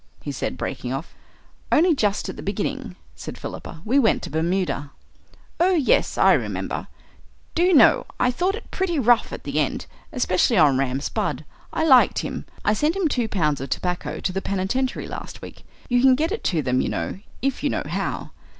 he said breaking off. "Only just at the beginning," said Philippa; "we went to Bermuda." "Oh yes, I remember. Do you know, I thought it pretty rough at the end, especially on Ram Spudd. I liked him. I sent him two pounds of tobacco to the penitentiary last week; you can get it in to them, you know, if you know how."